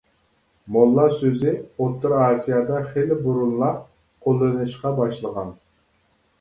موللا سۆزى ئوتتۇرا ئاسىيادا خېلى بۇرۇنلا قوللىنىلىشقا باشلىغان.